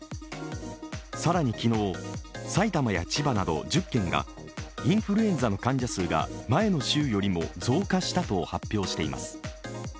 更に昨日、埼玉や千葉など１０県がインフルエンザの患者数が前の週よりも増加したと発表しています。